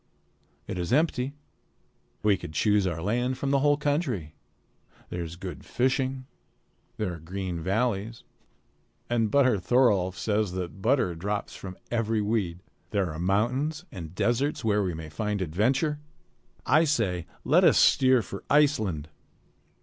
It is empty. We could choose our land from the whole country. There is good fishing. There are green valleys. And Butter Thorolf says that butter drops from every weed. There are mountains and deserts where we may find adventure. I say, let us steer for Iceland!"